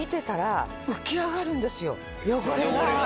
汚れが。